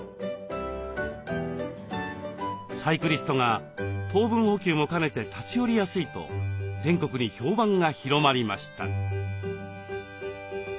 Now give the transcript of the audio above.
サイクリストが糖分補給も兼ねて立ち寄りやすいと全国に評判が広まりました。